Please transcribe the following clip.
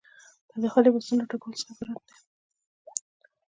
دا د خالي بستونو له ډکولو څخه عبارت دی.